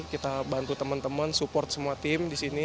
kita bantu teman teman support semua tim di sini